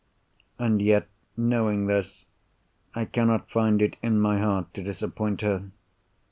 And yet, knowing this, I cannot find it in my heart to disappoint her.